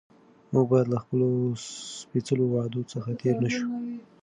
موږ باید له خپلو سپېڅلو وعدو څخه تېر نه شو